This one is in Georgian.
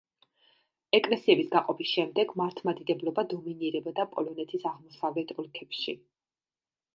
ეკლესიების გაყოფის შემდეგ მართლმადიდებლობა დომინირებდა პოლონეთის აღმოსავლეთ ოლქებში.